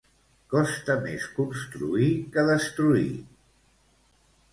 Costa més construir que destruir